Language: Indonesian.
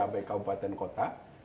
sampai kabupaten kota